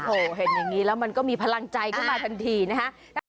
โอ้โหเห็นอย่างนี้แล้วมันก็มีพลังใจขึ้นมาทันทีนะฮะ